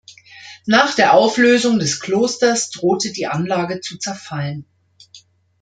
Nach der Auflösung des Klosters drohte die Anlage zu zerfallen.